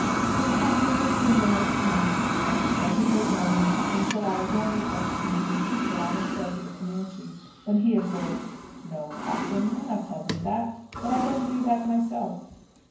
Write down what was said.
His countenance assumed a most comical expression, but he made no remark until I again requested him to repeat what I had said to the Comanche, when he observed, "No, captain, I not tell him that, for I don't b'lieve that myself."